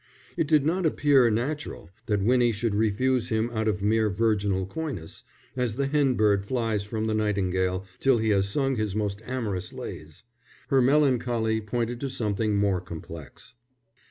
It did not appear natural that Winnie should refuse him out of mere virginal coyness, as the hen bird flies from the nightingale till he has sung his most amorous lays. Her melancholy pointed to something more complex.